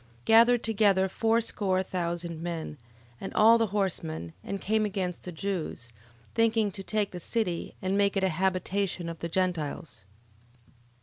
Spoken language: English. Gathered together fourscore thousand men, and all the horsemen, and came against the Jews, thinking to take the city, and make it a habitation of the Gentiles: 11:3.